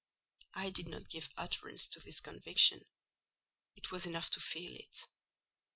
I did not give utterance to this conviction: it was enough to feel it.